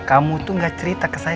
kamu tuh gak cerita ke saya